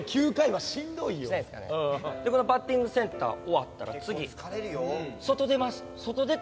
バッティングセンター終わったら次外出ます。